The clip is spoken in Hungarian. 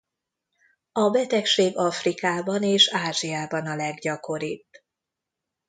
A betegség Afrikában és Ázsiában a leggyakoribb.